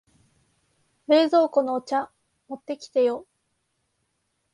冷蔵庫のお茶持ってきてよ。